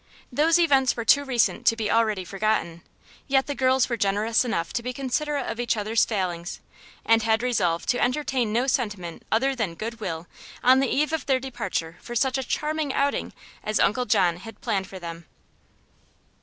Those events were too recent to be already forgotten, yet the girls were generous enough to be considerate of each others' failings, and had resolved to entertain no sentiment other than good will on the eve of their departure for such a charming outing as Uncle John had planned for them.